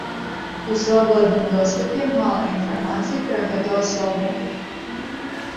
У свабодным доступе мала інфармацыі пра гэту асобу.